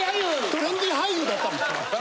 トレンディー俳優だったんです。